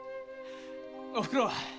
おふくろ！